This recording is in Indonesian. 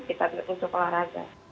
kita untuk mencukupi keluarga